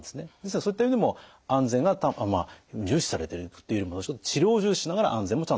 そういった意味でも安全が重視されてるっていうよりも治療を重視しながら安全もちゃんと担保してくれてると。